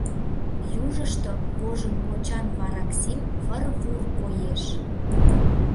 Южышто вожын почан вараксим выр-вур коеш.